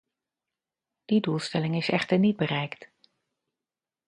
Die doelstelling is echter niet bereikt.